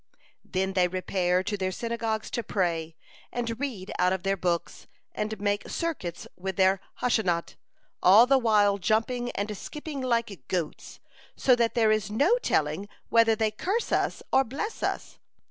Then they repair to their synagogues to pray, and read out of their books, and make circuits with their Hosha'not, all the while jumping and skipping like goats, so that there is no telling whether they curse us or bless us.